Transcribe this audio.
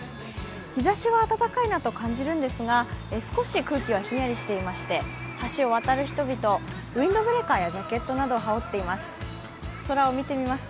日ざしは暖かいなと感じるんですが空気は少しひんやりしていまして橋を渡る人々、ウインドブレーカーやジャケットなどを羽織っています。